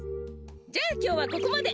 じゃあきょうはここまで。